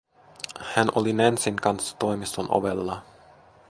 Hän oli Nancyn kanssa toimiston ovella.